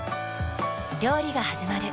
料理がはじまる。